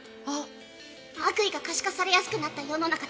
「悪意が可視化されやすくなった世の中だ」